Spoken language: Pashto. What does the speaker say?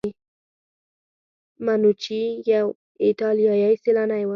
منوچي یو ایټالیایی سیلانی و.